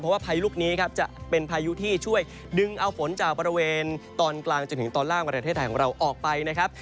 เพราะว่าพายุลูกนี้ครับจะเป็นพายุที่ช่วยดึงเอาฝนจากบริเวณตอนกลางจนถึงตอนล่างประเทศไทยของเราออกไปนะครับ